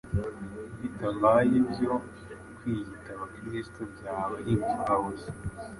Bitabaye ibyo, kwiyita Abakristo byaba ari imfabusa.